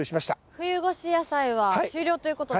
冬越し野菜は終了ということで。